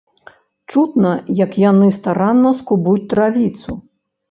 Чутна, як яны старанна скубуць травіцу.